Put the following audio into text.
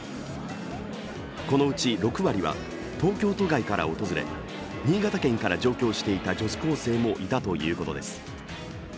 このうち６割は東京都外から訪れ、新潟県から上京していた女子高生もいたということです。